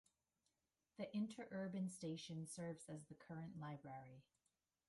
The interurban station serves as the current library.